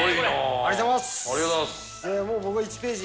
ありがとうございます。